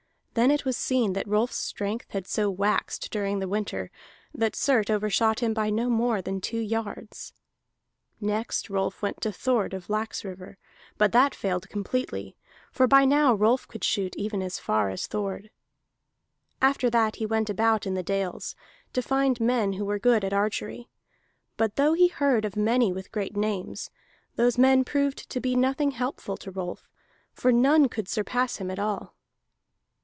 Then it was seen that Rolf's strength had so waxed during the winter, that Surt overshot him by no more than two yards. Next Rolf went to Thord of Laxriver, but that failed completely, for by now Rolf could shoot even as far as Thord. After that he went about in the dales, to find men who were good at archery; but though he heard of many with great names, those men proved to be nothing helpful to Rolf, for none could surpass him at all.